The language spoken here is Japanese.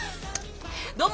どうも！